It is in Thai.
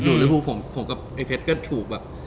อยู่ในหูผมผมกับไอ้เพชรก็ถูกแบบ